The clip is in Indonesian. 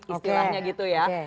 istilahnya gitu ya